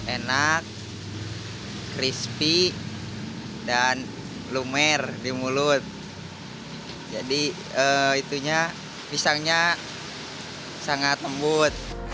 enak crispy dan lumer di mulut jadi pisangnya sangat embut